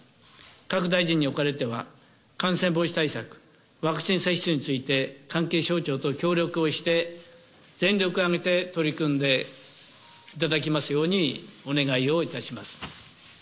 各大臣におかれては、感染防止対策、ワクチン接種について関係省庁と協力をして、全力を挙げて取り組んでいただきますようにお願いをいたします。